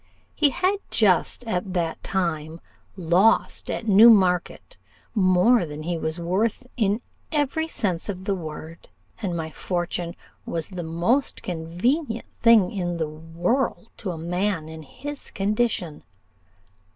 He had just at that time lost at Newmarket more than he was worth in every sense of the word; and my fortune was the most convenient thing in the world to a man in his condition.